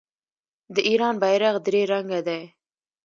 د ایران بیرغ درې رنګه دی.